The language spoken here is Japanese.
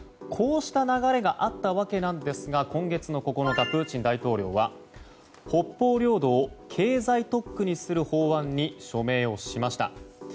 こうした流れがあったわけなんですが、今月９日プーチン大統領は北方領土を経済特区にする法案に署名をしました。